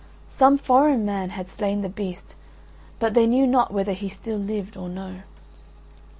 Some foreign man had slain the beast, but they knew not whether he still lived or no.